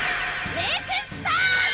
レクスターズ！